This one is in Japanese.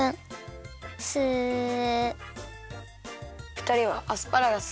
ふたりはアスパラガスすき？